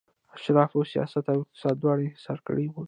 اشرافو سیاست او اقتصاد دواړه انحصار کړي وو.